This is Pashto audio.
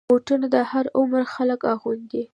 بوټونه د هر عمر خلک اغوندي.